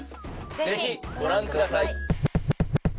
ぜひご覧ください。